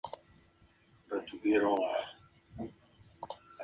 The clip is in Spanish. Lograba captar escenas cotidianas insólitas, con humor y elegancia.